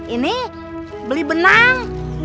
ini beli benang